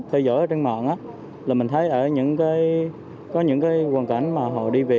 theo dõi trên mạng mình thấy ở những hoàn cảnh mà họ đi về